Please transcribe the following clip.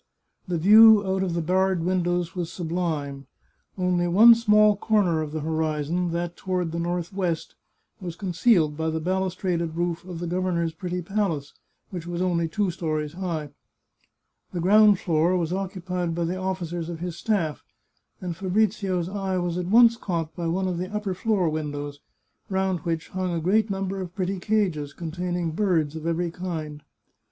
The view out of the barred windows was sublime. Only one small comer of the horizon, that toward the northwest, was concealed by the balustraded roof of the governor's pretty palace, which was only two stories high. The ground floor was occupied by the officers of his staff, and Fabrizio's eye was at once caught by one of the upper floor windows, round which hung a great number of pretty cages, contain ing birds of every kind.